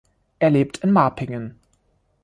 Er lebt in Marpingen.